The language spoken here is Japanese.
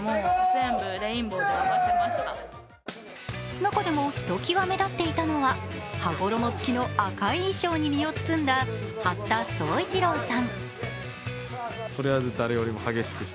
中でもひときわ目立っていたのは、羽衣つきの赤い衣装に身を包んだ八田宗一朗さん。